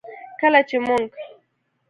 کله چې موږ